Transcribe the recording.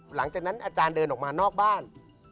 หลังจากนั้นอาจารย์เดินออกมานอกบ้าน